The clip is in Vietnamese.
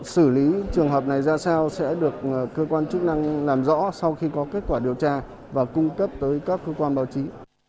xử lý trường hợp này ra sao sẽ được cơ quan chức năng làm rõ sau khi có kết quả điều tra và cung cấp tới các cơ quan báo chí